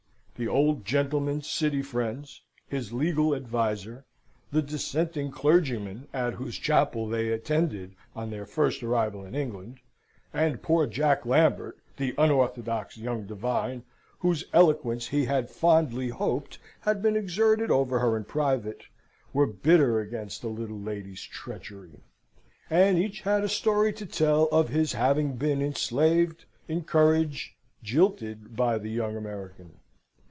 The old gentleman's City friends, his legal adviser, the Dissenting clergyman at whose chapel they attended on their first arrival in England, and poor Jack Lambert, the orthodox young divine, whose eloquence he had fondly hoped had been exerted over her in private, were bitter against the little lady's treachery, and each had a story to tell of his having been enslaved, encouraged, jilted, by the young American.